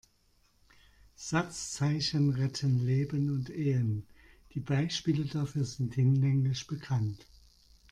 Satzzeichen retten Leben und Ehen, die Beispiele dafür sind hinlänglich bekannt.